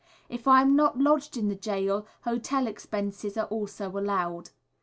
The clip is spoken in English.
If I am not lodged in the gaol, hotel expenses are also allowed.